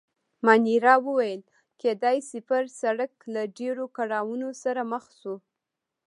مانیرا وویل: کېدای شي، پر سړک له ډېرو کړاوو سره مخ شو.